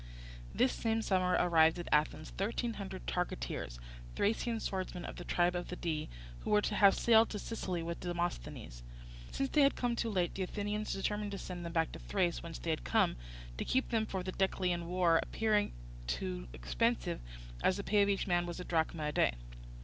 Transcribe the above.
This same summer arrived at Athens thirteen hundred targeteers, Thracian swordsmen of the tribe of the Dii, who were to have sailed to Sicily with Demosthenes. Since they had come too late, the Athenians determined to send them back to Thrace, whence they had come; to keep them for the Decelean war appearing too expensive, as the pay of each man was a drachma a day.